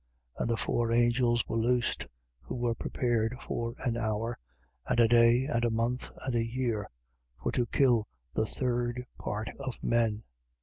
9:15. And the four angels were loosed, who were prepared for an hour, and a day, and a month, and a year: for to kill the third part of men.